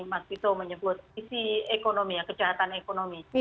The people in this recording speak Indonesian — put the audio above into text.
mas vito menyebut isi ekonomi ya kejahatan ekonomi